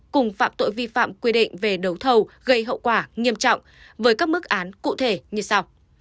cùng phạm tội vi phạm quy định về đấu thầu gây hậu quả nghiêm trọng với các mức án cụ thể như sau